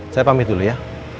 saya pamit dulu ya